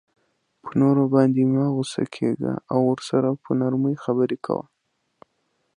په نورو باندی مه په غصه کیږه او ورسره په نرمۍ خبری کوه